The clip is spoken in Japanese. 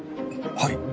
はい。